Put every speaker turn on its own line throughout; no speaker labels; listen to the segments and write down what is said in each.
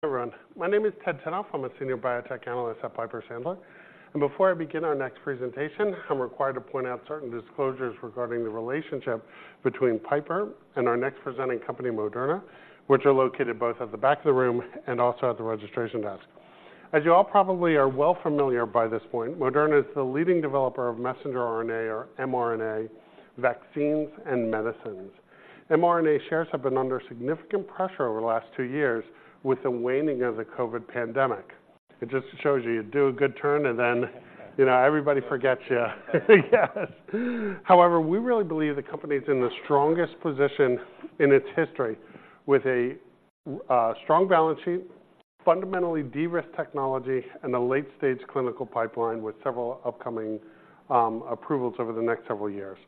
Hello, everyone. My name is Ted Tenthoff. I'm a senior biotech analyst at Piper Sandler, and before I begin our next presentation, I'm required to point out certain disclosures regarding the relationship between Piper and our next presenting company, Moderna, which are located both at the back of the room and also at the registration desk. As you all probably are well familiar by this point, Moderna is the leading developer of messenger RNA, or mRNA, vaccines and medicines. mRNA shares have been under significant pressure over the last two years with the waning of the COVID pandemic. It just shows you, you do a good turn and then, you know, everybody forgets you. Yes. However, we really believe the company is in the strongest position in its history, with a strong balance sheet, fundamentally de-risked technology, and a late-stage clinical pipeline with several upcoming approvals over the next several years.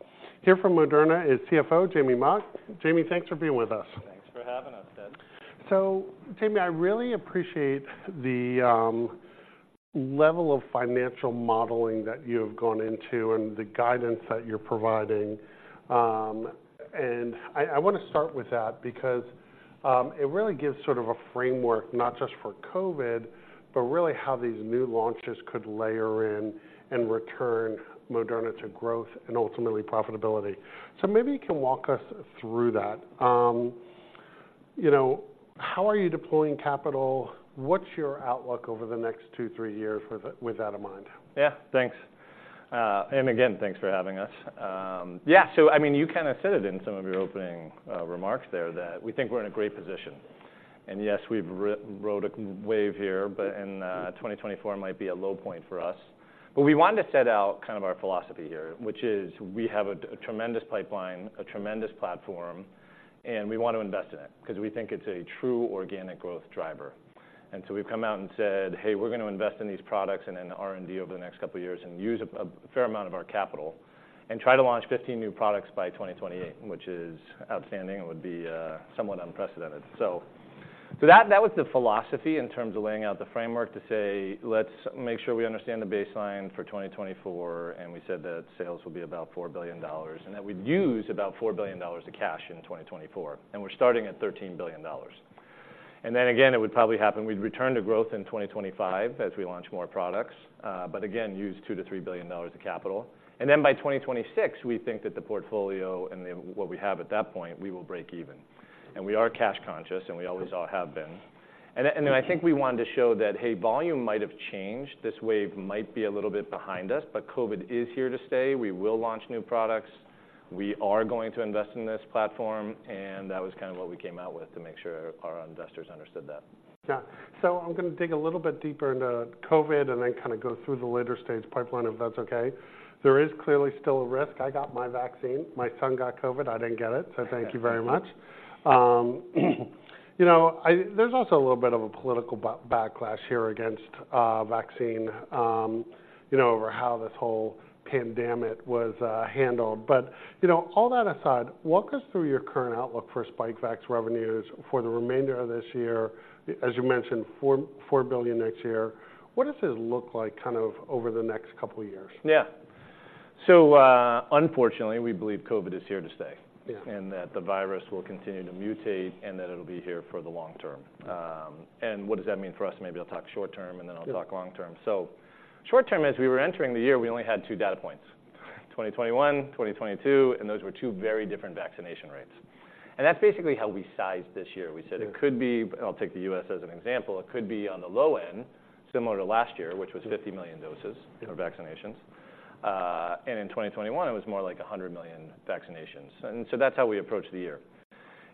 Here from Moderna is CFO, Jamey Mock. Jamey, thanks for being with us.
Thanks for having us, Ted.
So, Jamey, I really appreciate the level of financial modeling that you have gone into and the guidance that you're providing. And I want to start with that because it really gives sort of a framework, not just for COVID, but really how these new launches could layer in and return Moderna to growth and ultimately profitability. So maybe you can walk us through that. You know, how are you deploying capital? What's your outlook over the next two, three years with that in mind?
Yeah. Thanks. And again, thanks for having us. Yeah, so I mean, you kind of said it in some of your opening remarks there, that we think we're in a great position. And yes, we've rode a wave here, but 2024 might be a low point for us. But we want to set out kind of our philosophy here, which is we have a tremendous pipeline, a tremendous platform, and we want to invest in it because we think it's a true organic growth driver. And so we've come out and said, "Hey, we're going to invest in these products and in R&D over the next couple of years and use a fair amount of our capital and try to launch 15 new products by 2028," which is outstanding and would be somewhat unprecedented. So that was the philosophy in terms of laying out the framework to say, "Let's make sure we understand the baseline for 2024," and we said that sales will be about $4 billion, and that we'd use about $4 billion of cash in 2024, and we're starting at $13 billion. And then again, it would probably happen, we'd return to growth in 2025 as we launch more products, but again, use $2 billion-$3 billion of capital. And then by 2026, we think that the portfolio and what we have at that point, we will break even. And we are cash conscious, and we always all have been. And I think we wanted to show that, hey, volume might have changed. This wave might be a little bit behind us, but COVID is here to stay. We will launch new products. We are going to invest in this platform, and that was kind of what we came out with to make sure our investors understood that.
Yeah. So I'm going to dig a little bit deeper into COVID and then kind of go through the later stage pipeline, if that's okay. There is clearly still a risk. I got my vaccine, my son got COVID. I didn't get it, so thank you very much. You know, there's also a little bit of a political backlash here against vaccine, you know, over how this whole pandemic was handled. But, you know, all that aside, walk us through your current outlook for Spikevax revenues for the remainder of this year. As you mentioned, $4 billion next year. What does this look like kind of over the next couple of years?
Yeah. Unfortunately, we believe COVID is here to stay and that the virus will continue to mutate, and that it'll be here for the long term. What does that mean for us? Maybe I'll talk short term, and then I'll talk long term. Short term, as we were entering the year, we only had two data points: 2021, 2022, and those were two very different vaccination rates. That's basically how we sized this year.
Yeah.
We said it could be, I'll take the U.S. as an example. It could be on the low end, similar to last year, which was 50 million doses or vaccinations. In 2021, it was more like 100 million vaccinations. So that's how we approached the year.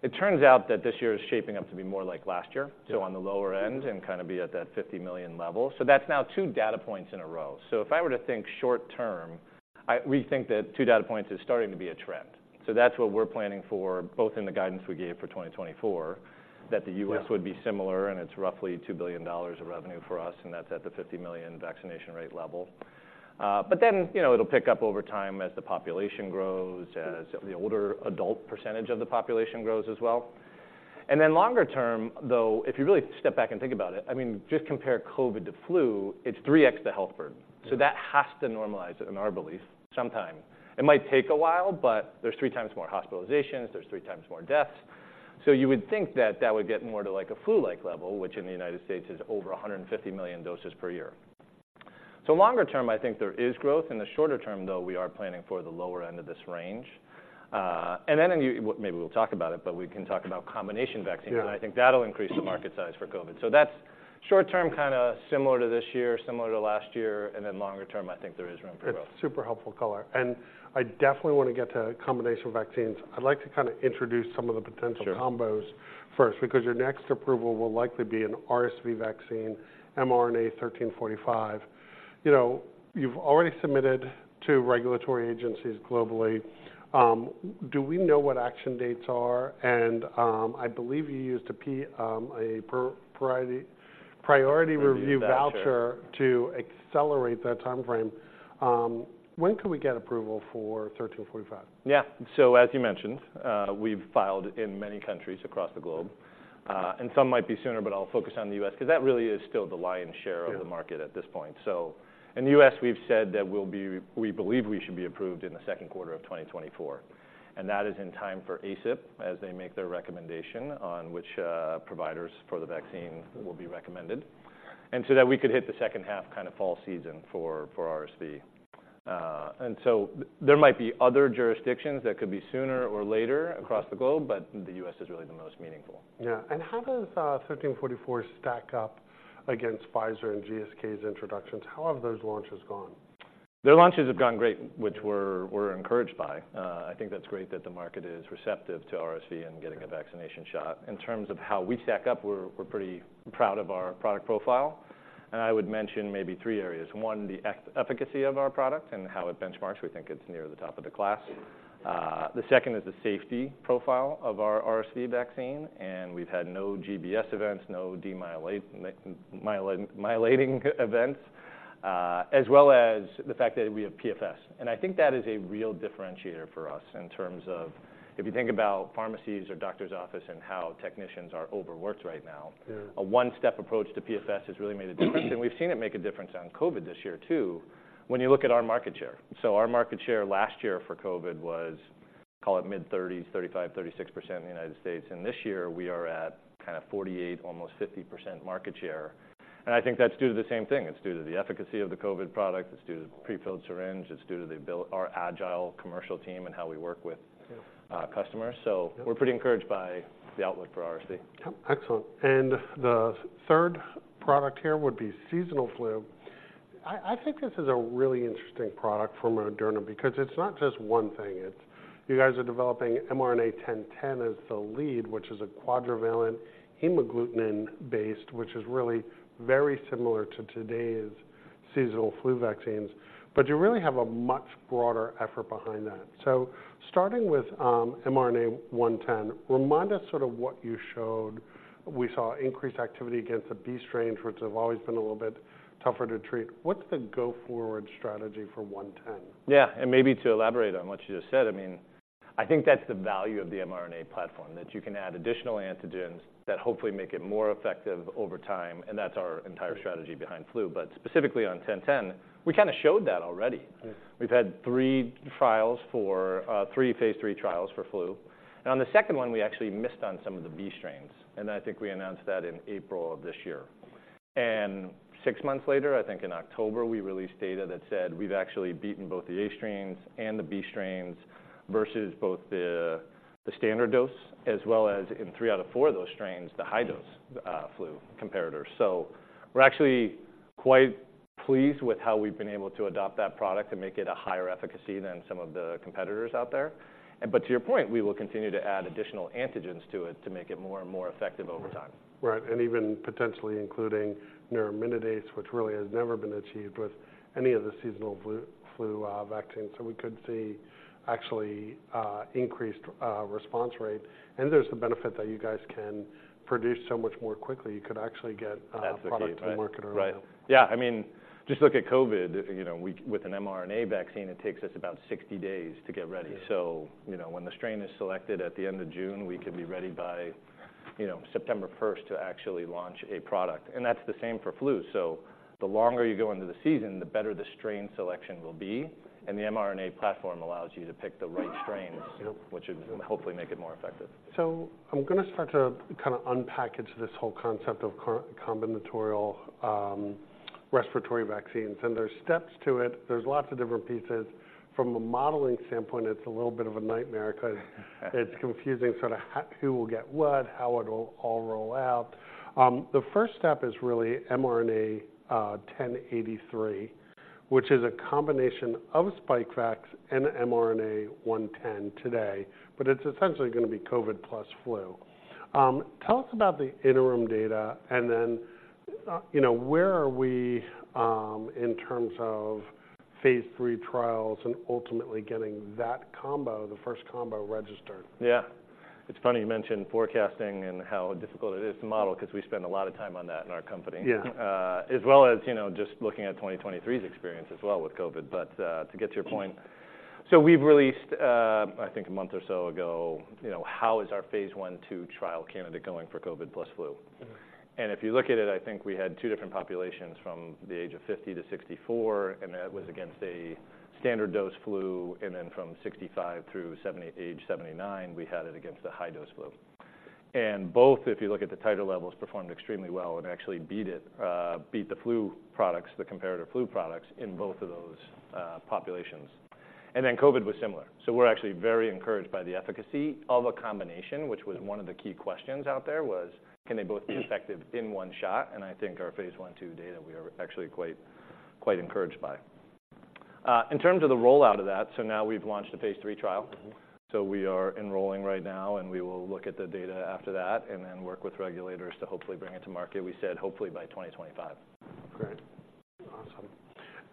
It turns out that this year is shaping up to be more like last year so on the lower end and kind of be at that $50 million level. So that's now two data points in a row. So if I were to think short term, we think that two data points is starting to be a trend. So that's what we're planning for, both in the guidance we gave for 2024, that the U.S. would be similar, and it's roughly $2 billion of revenue for us, and that's at the 50 million vaccination rate level. But then, you know, it'll pick up over time as the population grows, as the older adult percentage of the population grows as well. And then longer term, though, if you really step back and think about it, I mean, just compare COVID to flu, it's 3x the health burden. So that has to normalize in our belief, sometimes. It might take a while, but there's 3x more hospitalizations, there's 3x more deaths. So you would think that that would get more to like a flu-like level, which in the United States is over 150 million doses per year. So longer term, I think there is growth. In the shorter term, though, we are planning for the lower end of this range. And then, maybe we'll talk about it, but we can talk about combination vaccines- I think that'll increase the market size for COVID. So that's short-term, kind of similar to this year, similar to last year, and then longer-term, I think there is room for growth.
It's super helpful color, and I definitely want to get to combination vaccines. I'd like to kind of introduce some of the potential combos first, because your next approval will likely be an RSV vaccine, mRNA-1345. You know, you've already submitted to regulatory agencies globally. Do we know what action dates are? And, I believe you used a priority review voucher to accelerate that timeframe. When can we get approval for 1345?
Yeah. So as you mentioned, we've filed in many countries across the globe, and some might be sooner, but I'll focus on the U.S., because that really is still the lion's share of the market at this point. So in the U.S., we've said that we believe we should be approved in the second quarter of 2024, and that is in time for ACIP, as they make their recommendation on which providers for the vaccine will be recommended, and so that we could hit the second half kind of fall season for RSV. And so there might be other jurisdictions that could be sooner or later across the globe, but the U.S. is really the most meaningful.
Yeah. And how does 1345 stack up against Pfizer and GSK's introductions? How have those launches gone?
Their launches have gone great, which we're encouraged by. I think that's great that the market is receptive to RSV and getting a vaccination shot. In terms of how we stack up, we're pretty proud of our product profile, and I would mention maybe three areas. One, the efficacy of our product and how it benchmarks. We think it's near the top of the class. The second is the safety profile of our RSV vaccine, and we've had no GBS events, no demyelinating events, as well as the fact that we have PFS. And I think that is a real differentiator for us in terms of if you think about pharmacies or doctor's office and how technicians are overworked right now a one-step approach to PFS has really made a difference, and we've seen it make a difference on COVID this year, too, when you look at our market share. So our market share last year for COVID was, call it mid-30%s, 35%-36% in the United States, and this year we are at kinda 48%, almost 50% market share. And I think that's due to the same thing. It's due to the efficacy of the COVID product; it's due to prefilled syringe; it's due to the built- our agile commercial team and how we work with customers. We're pretty encouraged by the outlook for RSV.
Yep, excellent. The third product here would be seasonal flu. I, I think this is a really interesting product from Moderna because it's not just one thing. You guys are developing mRNA-1010 as the lead, which is a quadrivalent hemagglutinin based, which is really very similar to today's seasonal flu vaccines, but you really have a much broader effort behind that. So starting with mRNA-1010, remind us sort of what you showed. We saw increased activity against the B strains, which have always been a little bit tougher to treat. What's the go-forward strategy for 1010?
Yeah, and maybe to elaborate on what you just said, I mean, I think that's the value of the mRNA platform, that you can add additional antigens that hopefully make it more effective over time, and that's our entire strategy behind flu. But specifically on 1010, we kinda showed that already.
Yeah.
We've had three phase III trials for flu. Now, on the second one, we actually missed on some of the B strains, and I think we announced that in April of this year. And six months later, I think in October, we released data that said we've actually beaten both the A strains and the B strains, versus both the standard dose, as well as in 3 out of 4 of those strains, the high-dose, flu comparators. So we're actually quite pleased with how we've been able to adopt that product and make it a higher efficacy than some of the competitors out there. And but to your point, we will continue to add additional antigens to it to make it more and more effective over time.
Right, and even potentially including neuraminidase, which really has never been achieved with any of the seasonal flu vaccines. So we could see actually increased response rate, and there's the benefit that you guys can produce so much more quickly. You could actually get-
That's okay
-a product to market earlier.
Right. Yeah, I mean, just look at COVID. You know, with an mRNA vaccine, it takes us about 60 days to get ready. So, you know, when the strain is selected at the end of June, we could be ready by, you know, September first to actually launch a product, and that's the same for flu. So the longer you go into the season, the better the strain selection will be, and the mRNA platform allows you to pick the right strains which would hopefully make it more effective.
So I'm gonna start to kind of unpackage this whole concept of combinatorial respiratory vaccines, and there's steps to it. There's lots of different pieces. From a modeling standpoint, it's a little bit of a nightmare 'cause it's confusing sort of who will get what, how it'll all roll out. The first step is really mRNA-1083, which is a combination of Spikevax and mRNA-1010 today, but it's essentially gonna be COVID plus flu. Tell us about the interim data, and then, you know, where are we in terms of phase III trials and ultimately getting that combo, the first combo, registered?
Yeah. It's funny you mentioned forecasting and how difficult it is to model, 'cause we spend a lot of time on that in our company.
Yeah.
As well as, you know, just looking at 2023's experience as well with COVID. But, to get to your point we've released, I think a month or so ago, you know, how is our phase I, phase II trial candidate going for COVID plus flu? If you look at it, I think we had two different populations from the age of 50 to 64, and that was against a standard dose flu, and then from 65 through 79, we had it against the high-dose flu. And both, if you look at the titer levels, performed extremely well and actually beat it, beat the flu products, the comparative flu products in both of those populations. And then COVID was similar. So we're actually very encouraged by the efficacy of a combination, which was one of the key questions out there, was: Can they both be effective in one shot? And I think our phase I, phase II data, we are actually quite, quite encouraged by. In terms of the rollout of that, so now we've launched a phase III trial. We are enrolling right now, and we will look at the data after that and then work with regulators to hopefully bring it to market. We said hopefully by 2025.
Great. Awesome.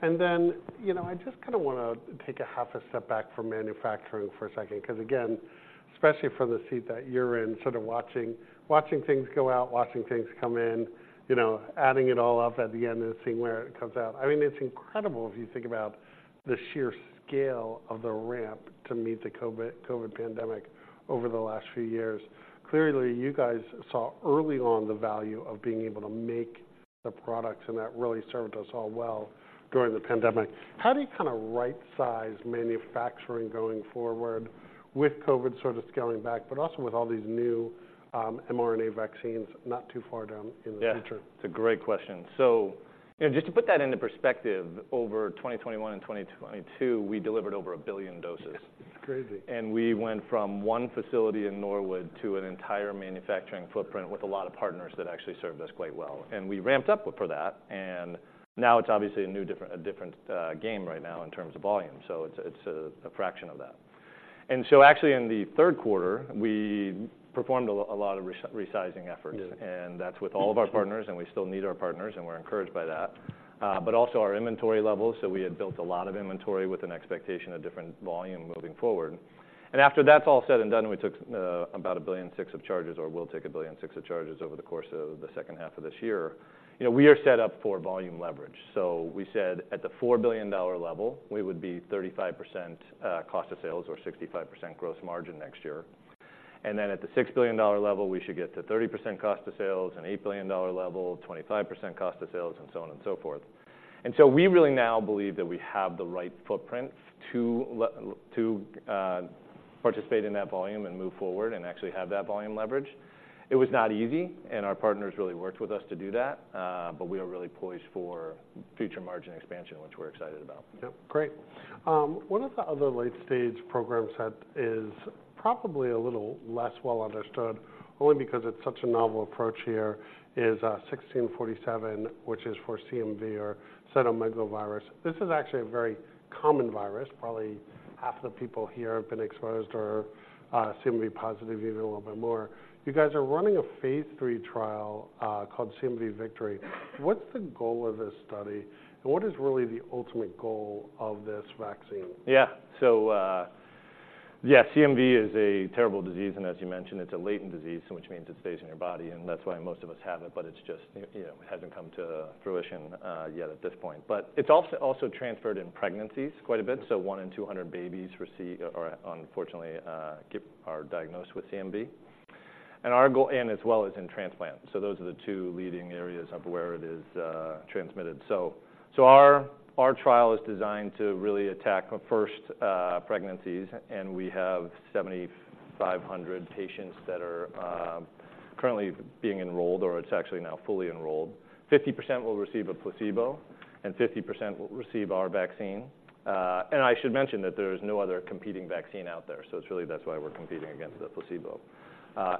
And then, you know, I just kinda wanna take a half a step back from manufacturing for a second, 'cause again, especially from the seat that you're in, sort of watching, watching things go out, watching things come in, you know, adding it all up at the end and seeing where it comes out, I mean, it's incredible if you think about the sheer scale of the ramp to meet the COVID pandemic over the last few years. Clearly, you guys saw early on the value of being able to make the products, and that really served us all well during the pandemic. How do you kind of right-size manufacturing going forward with COVID sort of scaling back, but also with all these new mRNA vaccines not too far down in the future?
Yeah, it's a great question. So, you know, just to put that into perspective, over 2021 and 2022, we delivered over 1 billion doses.
It's crazy.
We went from one facility in Norwood to an entire manufacturing footprint with a lot of partners that actually served us quite well, and we ramped up for that. Now, it's obviously a different game right now in terms of volume, so it's a fraction of that. So actually in the third quarter, we performed a lot of resizing efforts.
Yeah.
That's with all of our partners, and we still need our partners, and we're encouraged by that. But also our inventory levels, so we had built a lot of inventory with an expectation of different volume moving forward. And after that's all said and done, we took about $1.6 billion of charges, or we'll take $1.6 billion of charges over the course of the second half of this year. You know, we are set up for volume leverage. So we said at the $4 billion level, we would be 35% cost of sales or 65% gross margin next year. And then at the $6 billion level, we should get to 30% cost of sales, and $8 billion level, 25% cost of sales, and so on and so forth. And so we really now believe that we have the right footprint to participate in that volume and move forward and actually have that volume leverage. It was not easy, and our partners really worked with us to do that, but we are really poised for future margin expansion, which we're excited about.
Yep, great. One of the other late-stage programs that is probably a little less well understood, only because it's such a novel approach here, is 1647, which is for CMV or cytomegalovirus. This is actually a very common virus. Probably half the people here have been exposed or are CMV positive, even a little bit more. You guys are running a phase III trial called CMVictory. What's the goal of this study, and what is really the ultimate goal of this vaccine?
Yeah. So, yeah, CMV is a terrible disease, and as you mentioned, it's a latent disease, which means it stays in your body, and that's why most of us have it, but it's just, you know, hasn't come to fruition yet at this point. But it's also transferred in pregnancies quite a bit, so one in 200 babies receive or, unfortunately, are diagnosed with CMV. And our goal, and as well as in transplant, so those are the two leading areas of where it is transmitted. So, our trial is designed to really attack, well, first, pregnancies, and we have 7,500 patients that are currently being enrolled, or it's actually now fully enrolled. 50% will receive a placebo, and 50% will receive our vaccine. And I should mention that there is no other competing vaccine out there, so it's really that's why we're competing against the placebo.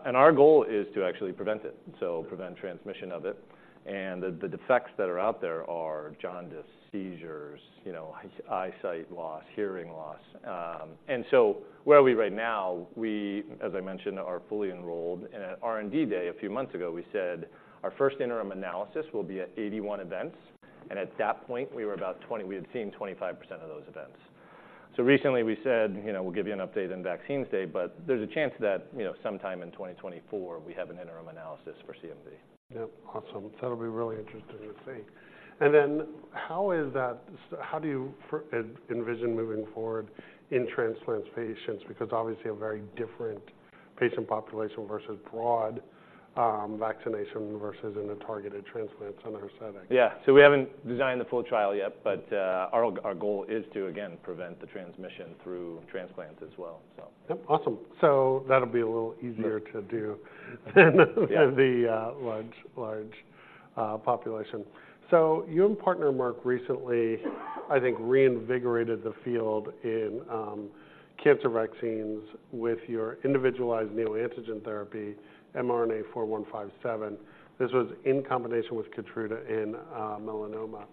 And our goal is to actually prevent it, so prevent transmission of it. And the defects that are out there are jaundice, seizures, you know, eyesight loss, hearing loss. And so, where are we right now? We, as I mentioned, are fully enrolled. In our R&D Day, a few months ago, we said our first interim analysis will be at 81 events, and at that point, we were about we had seen 25% of those events. So recently, we said, you know, we'll give you an update on Vaccines Day, but there's a chance that, you know, sometime in 2024, we have an interim analysis for CMV.
Yeah. Awesome. That'll be really interesting to see. And then how do you envision moving forward in transplant patients? Because obviously, a very different patient population versus broad vaccination versus in a targeted transplant setting.
Yeah. So we haven't designed the full trial yet, but our goal is to, again, prevent the transmission through transplants as well, so.
Yep, awesome. So that'll be a little easier to do than the large, large population. So you and partner, Merck, recently, I think, reinvigorated the field in cancer vaccines with your Individualized Neoantigen Therapy, mRNA-4157. This was in combination with Keytruda in melanoma.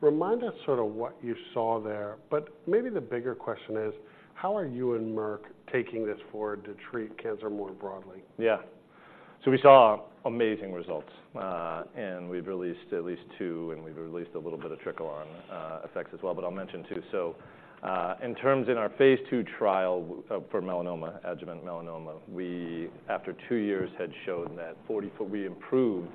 Remind us sort of what you saw there, but maybe the bigger question is, how are you and Merck taking this forward to treat cancer more broadly?
Yeah. So we saw amazing results, and we've released at least two, and we've released a little bit of trickle on effects as well, but I'll mention two. So, in terms of our phase II trial for melanoma, adjuvant melanoma, we, after two years, had shown that we improved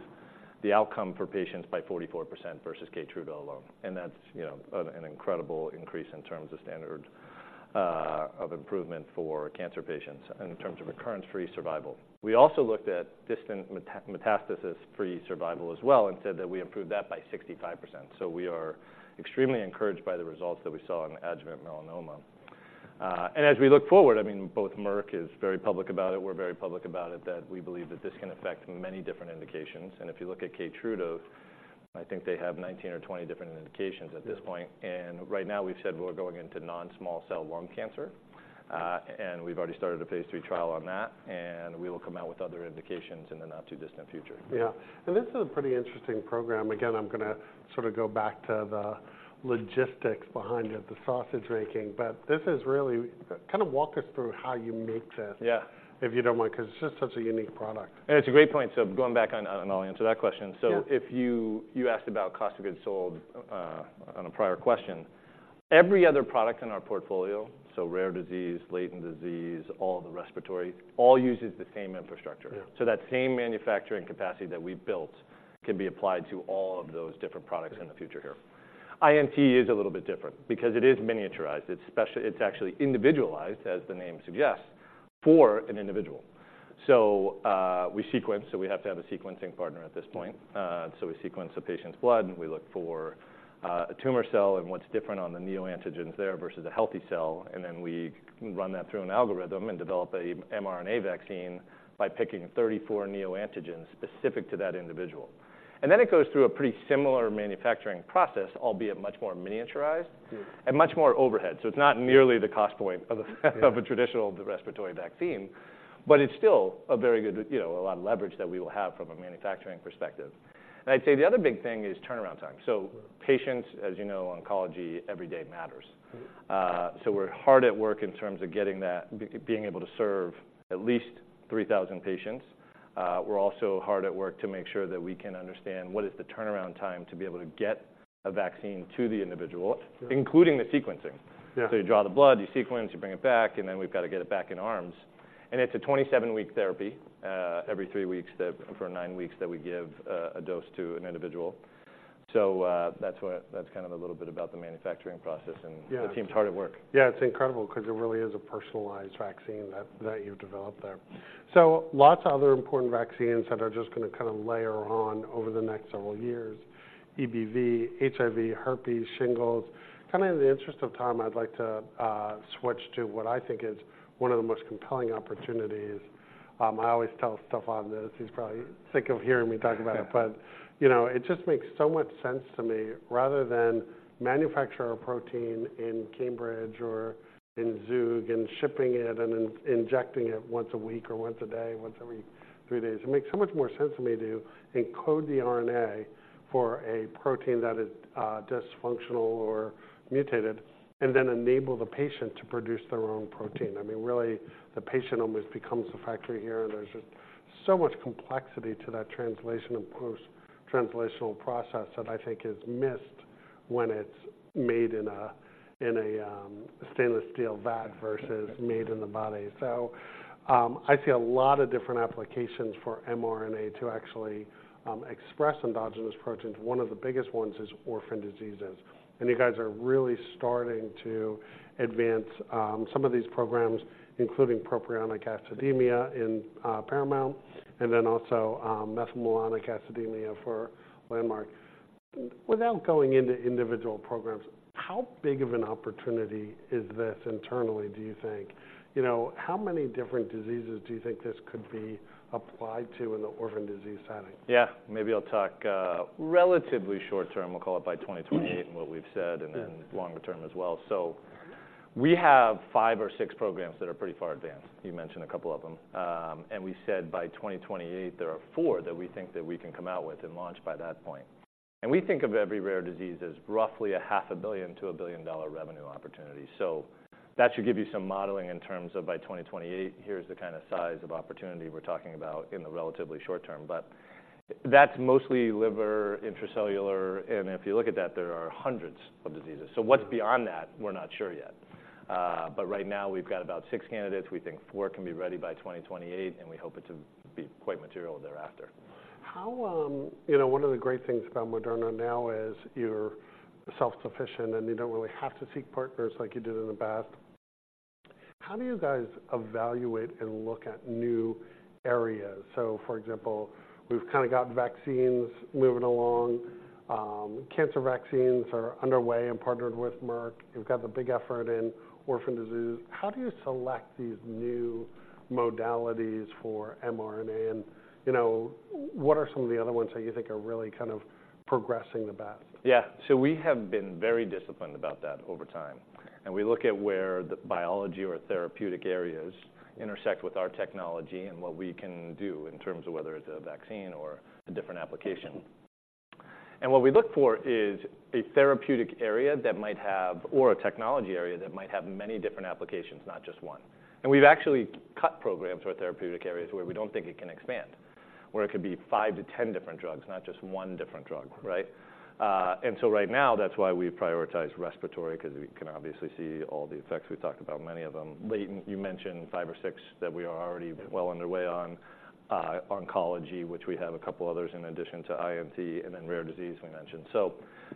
the outcome for patients by 44% versus Keytruda alone, and that's, you know, an incredible increase in terms of standard of improvement for cancer patients in terms of recurrence-free survival. We also looked at distant metastasis-free survival as well, and said that we improved that by 65%. So we are extremely encouraged by the results that we saw on adjuvant melanoma. And as we look forward, I mean, both Merck is very public about it, we're very public about it, that we believe that this can affect many different indications. If you look at Keytruda, I think they have 19 or 20 different indications at this point. Right now, we've said we're going into non-small cell lung cancer, and we've already started a phase III trial on that, and we will come out with other indications in the not-too-distant future.
Yeah. This is a pretty interesting program. Again, I'm gonna sort of go back to the logistics behind it, the sausage making, but this is really, kind of walk us through how you make this, if you don't mind, 'cause it's just such a unique product.
It's a great point. So going back, and I'll answer that question.
Yeah.
So if you asked about cost of goods sold on a prior question. Every other product in our portfolio, so rare disease, latent disease, all the respiratory, all uses the same infrastructure.
Yeah.
So that same manufacturing capacity that we've built can be applied to all of those different products in the future here. INT is a little bit different because it is miniaturized. It's actually individualized, as the name suggests, for an individual. So, we sequence, so we have to have a sequencing partner at this point. So we sequence the patient's blood, and we look for a tumor cell and what's different on the neoantigens there versus a healthy cell, and then we run that through an algorithm and develop a mRNA vaccine by picking 34 neoantigens specific to that individual. And then it goes through a pretty similar manufacturing process, albeit much more miniaturized and much more overhead. So it's not nearly the cost point of a traditional respiratory vaccine, but it's still a very good, you know, a lot of leverage that we will have from a manufacturing perspective. And I'd say the other big thing is turnaround time. So patients, as you know, oncology, every day matters. So we're hard at work in terms of getting that, being able to serve at least 3,000 patients. We're also hard at work to make sure that we can understand what is the turnaround time to be able to get a vaccine to the individual including the sequencing. So you draw the blood, you sequence, you bring it back, and then we've got to get it back in arms. And it's a 27-week therapy, every three weeks that for nine weeks, that we give, a dose to an individual. So, that's kind of a little bit about the manufacturing process, and the team's hard at work.
Yeah, it's incredible because it really is a personalized vaccine that you've developed there. So lots of other important vaccines that are just gonna kind of layer on over the next several years: EBV, HIV, herpes, shingles. Kind of in the interest of time, I'd like to switch to what I think is one of the most compelling opportunities. I always tell Stéphane this. He's probably sick of hearing me talk about it. But, you know, it just makes so much sense to me, rather than manufacture a protein in Cambridge or in Zug and shipping it and injecting it once a week or once a day, once every three days. It makes so much more sense to me to encode the RNA for a protein that is dysfunctional or mutated, and then enable the patient to produce their own protein. I mean, really, the patient almost becomes the factory here, and there's just so much complexity to that translation and post-translational process that I think is missed when it's made in a stainless steel vat versus made in the body. So, I see a lot of different applications for mRNA to actually express endogenous proteins. One of the biggest ones is orphan diseases, and you guys are really starting to advance some of these programs, including propionic acidemia in Paramount, and then also methylmalonic acidemia for Landmark. Without going into individual programs, how big of an opportunity is this internally, do you think? You know, how many different diseases do you think this could be applied to in the orphan disease setting?
Yeah. Maybe I'll talk, relatively short term, we'll call it by 2028, and what we've said and then longer term as well. So we have five or six programs that are pretty far advanced. You mentioned a couple of them. And we said by 2028, there are four that we think that we can come out with and launch by that point. And we think of every rare disease as roughly a $500 million to $1 billion revenue opportunity. So that should give you some modeling in terms of by 2028, here's the kind of size of opportunity we're talking about in the relatively short term. But that's mostly liver, intracellular, and if you look at that, there are hundreds of diseases. So what's beyond that? We're not sure yet. But right now, we've got about six candidates. We think four can be ready by 2028, and we hope it to be quite material thereafter.
You know, one of the great things about Moderna now is you're self-sufficient, and you don't really have to seek partners like you did in the past. How do you guys evaluate and look at new areas? So for example, we've kind of got vaccines moving along. Cancer vaccines are underway and partnered with Merck. You've got the big effort in orphan disease. How do you select these new modalities for mRNA? And, you know, what are some of the other ones that you think are really kind of progressing the best?
Yeah. So we have been very disciplined about that over time, and we look at where the biology or therapeutic areas intersect with our technology and what we can do in terms of whether it's a vaccine or a different application. And what we look for is a therapeutic area that might have, or a technology area that might have many different applications, not just one. And we've actually cut programs or therapeutic areas where we don't think it can expand, where it could be five to 10 different drugs, not just one different drug, right? And so right now, that's why we prioritize respiratory, because we can obviously see all the effects. We've talked about many of them. You mentioned five or six that we are already well underway on oncology, which we have a couple others in addition to INT and then rare disease we mentioned. So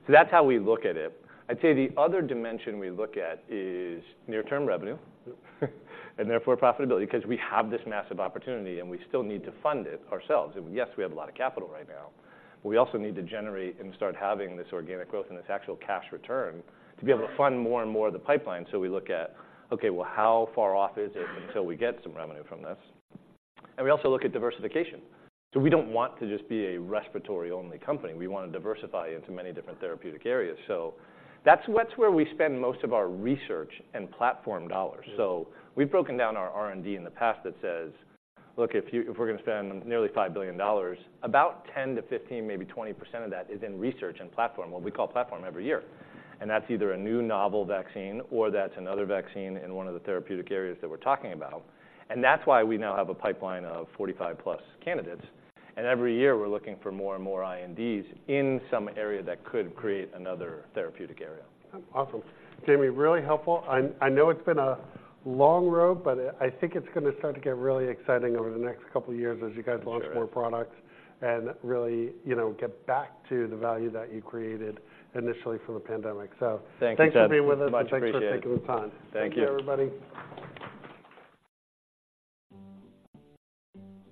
that's how we look at it. I'd say the other dimension we look at is near-term revenue, and therefore profitability, because we have this massive opportunity, and we still need to fund it ourselves. And yes, we have a lot of capital right now, but we also need to generate and start having this organic growth and this actual cash return to be able to fund more and more of the pipeline. So we look at, okay, well, how far off is it until we get some revenue from this? And we also look at diversification. So we don't want to just be a respiratory-only company. We want to diversify into many different therapeutic areas. So that's what's where we spend most of our research and platform dollars. So we've broken down our R&D in the past that says, look, if we're going to spend nearly $5 billion, about 10%-20% of that is in research and platform, what we call platform every year, and that's either a new novel vaccine or that's another vaccine in one of the therapeutic areas that we're talking about. And that's why we now have a pipeline of 45+ candidates, and every year we're looking for more and more INDs in some area that could create another therapeutic area.
Awesome. Jamey, really helpful. I know it's been a long road, but, I think it's gonna start to get really exciting over the next couple of years as you guys launch more products and really, you know, get back to the value that you created initially from the pandemic. So-
Thank you, Ted.
Thanks for being with us.
Much appreciated.
Thanks for taking the time.
Thank you.
Thank you, everybody.